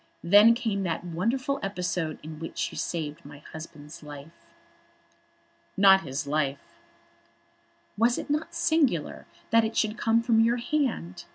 Then came that wonderful episode in which you saved my husband's life." "Not his life." "Was it not singular that it should come from your hand?